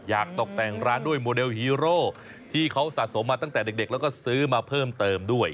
อยากตกแต่งร้านด้วยโมเดลฮีโร่ที่เขาสะสมมาตั้งแต่เด็กแล้วก็ซื้อมาเพิ่มเติมด้วย